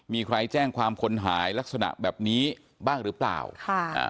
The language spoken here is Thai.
มีใครแจ้งความคนหายลักษณะแบบนี้บ้างหรือเปล่าค่ะอ่า